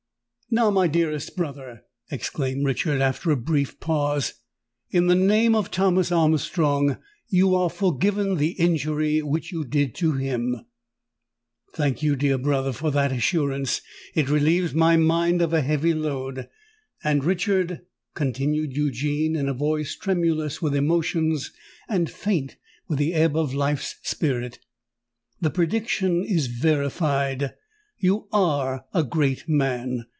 "Now, my dearest brother," exclaimed Richard, after a brief pause, "in the name of Thomas Armstrong, you are forgiven the injury which you did to him!" "Thank you, dear brother, for that assurance: it relieves my mind of a heavy load! And, Richard," continued Eugene, in a voice tremulous with emotions and faint with the ebb of life's spirit, "the prediction is verified—you are a great man!